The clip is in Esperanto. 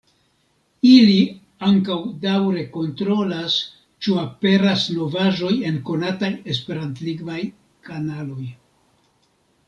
Ili ankaŭ daŭre kontrolas, ĉu aperas novaĵoj en konataj esperantlingvaj kanaloj.